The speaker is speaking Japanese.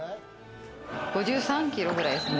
５３キロくらいですね。